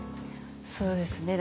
そうですね。